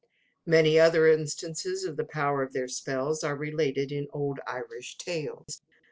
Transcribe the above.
Many other instances of the power of their spells are related in old Irish tales.